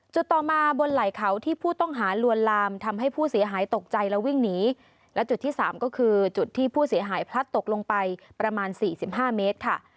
ต่อมาบนไหล่เขาที่ผู้ต้องหาลวนลามทำให้ผู้เสียหายตกใจและวิ่งหนีและจุดที่สามก็คือจุดที่ผู้เสียหายพลัดตกลงไปประมาณสี่สิบห้าเมตรค่ะ